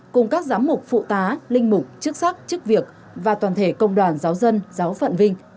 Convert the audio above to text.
cùng các giám mục phụ tá linh mục chức sắc chức việc và toàn thể công đoàn giáo dân giáo phận vinh